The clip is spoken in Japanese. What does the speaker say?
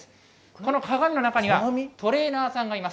この鏡の中には、トレーナーさんがいます。